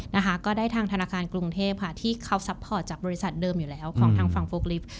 นะคะก็ได้ทางธนาคารกรุงเทพค่ะที่เขาซัพพอร์ตจากบริษัทเดิมอยู่แล้วของทางฝั่งโฟกลิฟต์